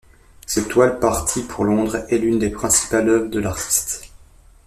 Cette toile partie pour Londres est l'une des principales œuvres de l'artiste.